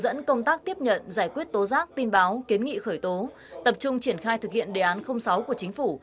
giải quyết tố giác tin báo kiến nghị khởi tố tập trung triển khai thực hiện đề án sáu của chính phủ